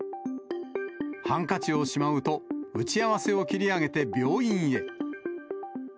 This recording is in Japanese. ハンカチをしまうと、打ち合わせを切り上げて病院へ。